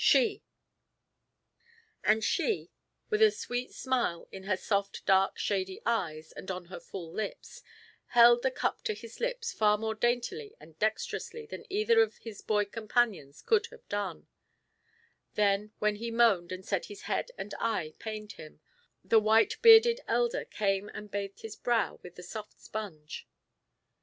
She!" And she, with a sweet smile in her soft, dark, shady eyes, and on her full lips, held the cup to his lips far more daintily and dexterously than either of his boy companions could have done; then when he moaned and said his head and eye pained him, the white bearded elder came and bathed his brow with the soft sponge.